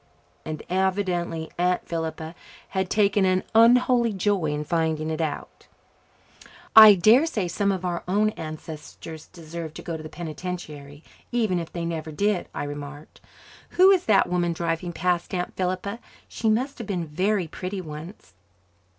And evidently Aunt Philippa had taken an unholy joy in finding it out. "I dare say some of our own ancestors deserved to go to the penitentiary, even if they never did," I remarked. "Who is that woman driving past, Aunt Philippa? She must have been very pretty once."